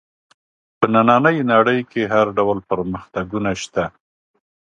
په نننۍ نړۍ کې هر ډول پرمختګونه شته.